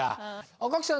赤木さん